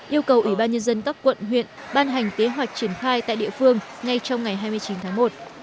yêu cầu ubnd các quận huyện ban hành kế hoạch triển khai tại địa phương ngay trong ngày hai mươi chín tháng một